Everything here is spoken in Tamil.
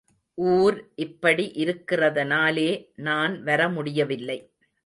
ஊர் இப்படி இருக்கிறதனாலே நான் வரமுடியவில்லை.